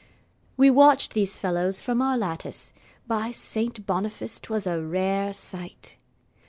We watched these fellows from our lattice. By Saint Boniface 'twas a rare sight!